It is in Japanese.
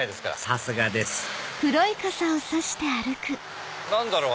さすがです何だろう？